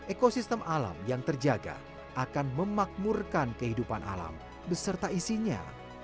ekosistem alam yang terjaga akan memakmurkan kehidupan alam beserta isinya